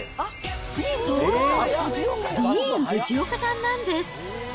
そう、ディーン・フジオカさんなんです。